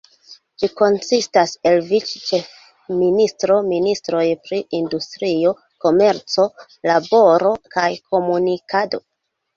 Ĝi konsistas el vic-ĉefministro, ministroj pri industrio, komerco, laboro kaj komunikado.